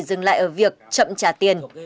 dừng lại ở việc chậm trả tiền